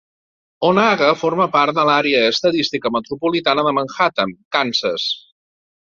Onaga forma part de l'àrea estadística metropolitana de Manhattan, Kansas.